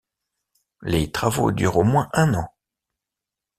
Les travaux durent au moins un an.